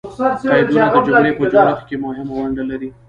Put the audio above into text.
قیدونه د جملې په جوړښت کښي مهمه ونډه لري.